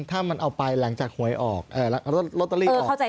ถ้ามันเอาไปหลังจากหวยออกลอตเตอรี่ออก